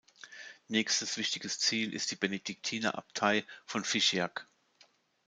Nächstes wichtiges Ziel ist die Benediktiner-Abtei von Figeac.